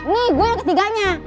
nih gue yang ketiganya